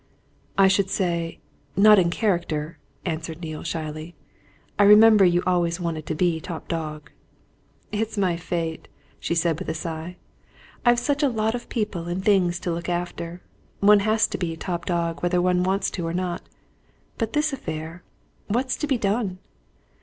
"I should say not in character," answered Neale shyly. "I remember you always wanted to be top dog!" "It's my fate!" she said, with a sigh. "I've such a lot of people and things to look after one has to be top dog, whether one wants to or not. But this affair what's to be done?"